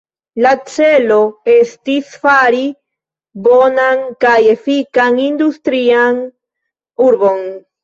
La celo estis fari bonan kaj efikan industrian urbon.